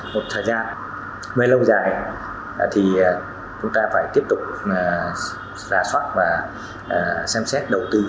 một thời gian mới lâu dài thì chúng ta phải tiếp tục giả soát và xem xét đầu tư